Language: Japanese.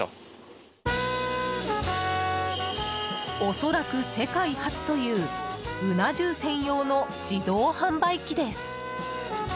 恐らく世界初といううな重専用の自動販売機です。